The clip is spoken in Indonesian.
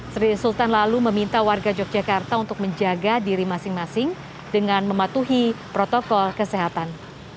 sri sultan lalu meminta warga yogyakarta untuk menjaga diri masing masing dengan mematuhi protokol kesehatan